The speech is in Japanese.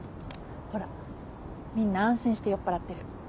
ほらみんな安心して酔っぱらってる。